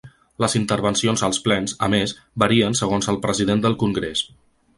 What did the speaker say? Les intervencions als plens, a més, varien segons el president del congrés.